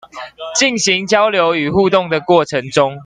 進行交流與互動的過程中